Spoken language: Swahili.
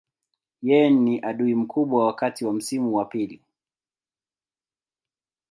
Yeye ni adui mkubwa wakati wa msimu wa pili.